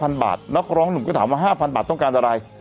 แล้วก็ร้องหนุ่มก็ถามว่าห้าพันบาทต้องการอะไร